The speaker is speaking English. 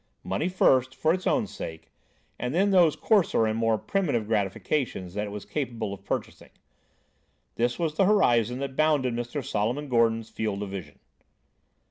Money first, for its own sake, and then those coarser and more primitive gratifications that it was capable of purchasing. This was the horizon that bounded Mr. Solomon Gordon's field of vision.